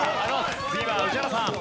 次は宇治原さん。